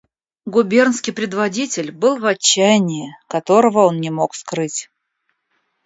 Губернский предводитель был в отчаянии, которого он не мог скрыть.